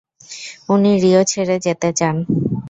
উনি রিও ছেড়ে যেতে চান?